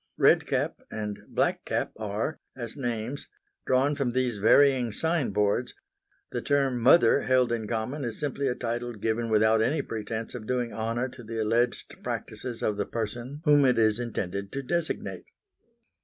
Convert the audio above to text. Red cap and Black cap are, as names, drawn from these varying sign boards; the term Mother held in common is simply a title given without any pretence of doing honour to the alleged practices of the person whom it is intended to designate.